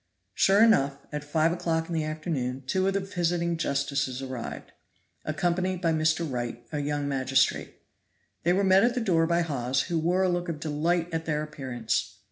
Sure enough, at five o'clock in the afternoon two of the visiting justices arrived, accompanied by Mr. Wright, a young magistrate. They were met at the door by Hawes, who wore a look of delight at their appearance.